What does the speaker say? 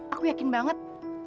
aku yakin banget